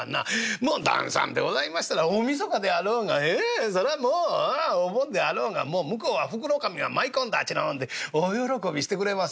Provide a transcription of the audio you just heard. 「もう旦さんでございましたら大晦日であろうがそらもうお盆であろうが向こうは『福の神が舞い込んだ！』ちゅうなもんで大喜びしてくれます」。